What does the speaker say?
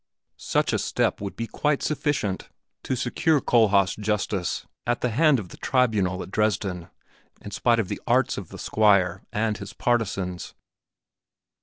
Such a step would be quite sufficient to secure Kohlhaas justice at the hand of the tribunal at Dresden, in spite of the arts of the Squire and his partisans.